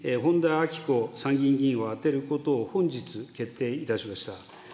あきこ参議院議員を充てることを本日、決定いたしました。